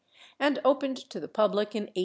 and opened to the public in 1838.